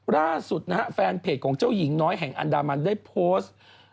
ล่าสุดนะฮะแฟนเพจของเจ้าหญิงน้อยแห่งอันดามันได้โพสต์